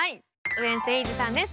ウエンツ瑛士さんです。